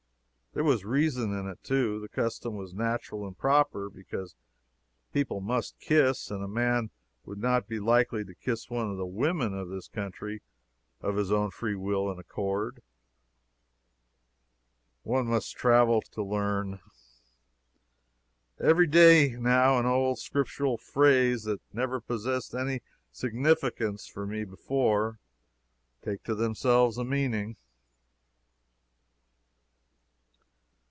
There was reason in it, too. The custom was natural and proper; because people must kiss, and a man would not be likely to kiss one of the women of this country of his own free will and accord. One must travel, to learn. Every day, now, old Scriptural phrases that never possessed any significance for me before, take to themselves a meaning.